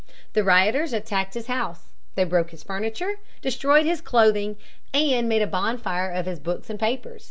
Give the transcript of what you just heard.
The rioters attacked his house. They broke his furniture, destroyed his clothing, and made a bonfire of his books and papers.